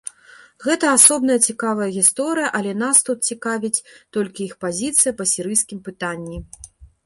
Гэта асобная цікавая гісторыя, але нас тут цікавіць толькі іх пазіцыя па сірыйскім пытанні.